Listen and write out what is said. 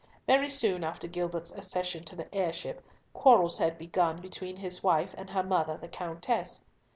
Very soon after Gilbert's accession to the heirship, quarrels had begun between his wife and her mother the Countess.